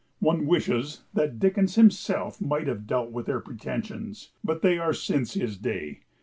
One wishes that Dickens himself might have dealt with their pretensions, but they are since his day.